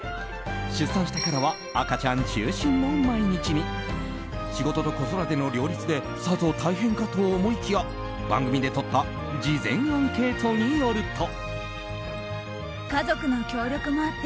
出産してからは赤ちゃん中心の毎日に仕事と子育ての両立でさぞ大変かと思いきや番組でとった事前アンケートによると。